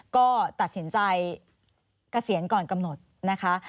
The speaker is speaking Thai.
ก็ตัดสินใจเกษียณก่อนกำหนดนะคะ